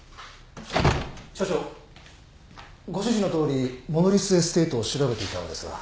社長ご指示のとおりモノリスエステートを調べていたのですが。